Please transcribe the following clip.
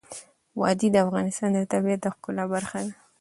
وادي د افغانستان د طبیعت د ښکلا برخه ده.